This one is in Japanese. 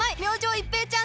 一平ちゃーん！